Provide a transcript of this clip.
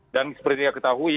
dan seperti yang kita ketahui